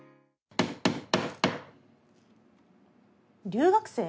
留学生？